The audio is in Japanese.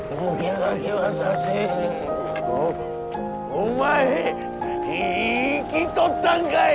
お前生きとったんかい！